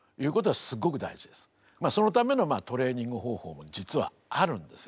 そのためのトレーニング方法も実はあるんですよ。